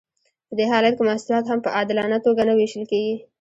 په دې حالت کې محصولات هم په عادلانه توګه نه ویشل کیږي.